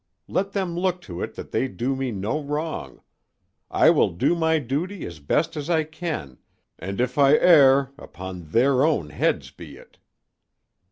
Let them look to it that they do me no wrong. I will do my duty as best I can and if I err upon their own heads be it!"